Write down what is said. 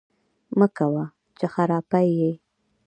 مکوه! چې خراپی یې